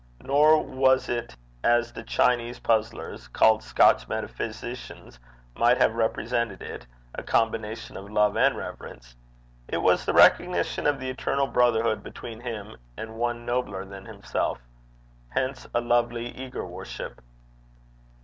Nor was it as the Chinese puzzlers called Scotch metaphysicians, might have represented it a combination of love and reverence. It was the recognition of the eternal brotherhood between him and one nobler than himself hence a lovely eager worship.